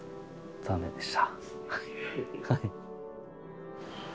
ダメでした。